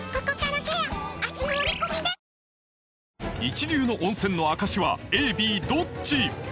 一流の温泉の証しはＡＢどっち？